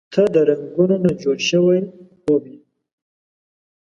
• ته د رنګونو نه جوړ شوی خوب یې.